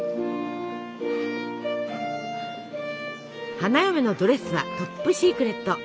花嫁のドレスはトップシークレット。